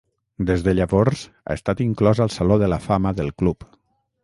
Des de llavors ha estat inclòs al Saló de la Fama del club.